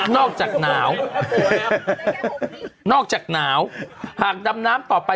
หนาวนอกจากหนาวหากดำน้ำต่อไป